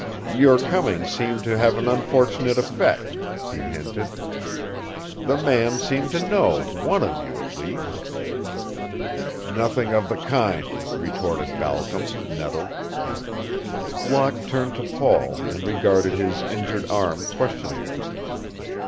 "Your coming seemed to have an unfortunate effect," he hinted. "The man seemed to know one of you at least." "Nothing of the kind," retorted Balcom, nettled. Locke turned to Paul and regarded his injured arm questioningly.